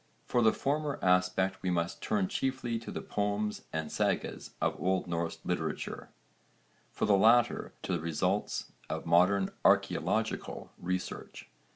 For the former aspect we must turn chiefly to the poems and sagas of old Norse literature, for the latter to the results of modern archaeological research.